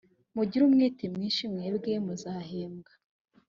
mugire umwete mwinshi mwebwe muzahembwa